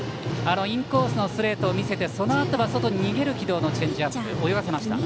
インコースのストレートを見せてそのあと外に逃げる軌道のチェンジアップ泳がせました。